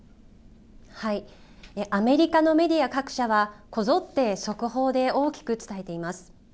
アメリカのメディア各社はこぞって速報で大きく伝えています。